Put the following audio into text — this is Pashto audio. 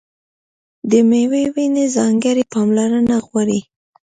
د مېوې ونې ځانګړې پاملرنه غواړي.